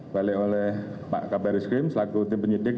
balik oleh pak kabar eskrim selaku tim penyidik